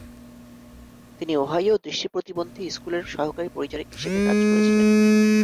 তিনি ওহাইও দৃষ্টিপ্রতিবন্ধী স্কুলের সহকারী পরিচারিকা হিসাবে কাজ করেছিলেন।